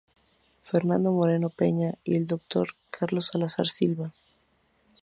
Fernando Moreno Peña y Dr. Carlos Salazar Silva.